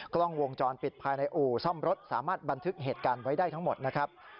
กล้องวงจรปิดภายในอู่ซ่อมรถสามารถบันทึกเหตุการณ์ไว้ได้ทั้งหมดนะครับ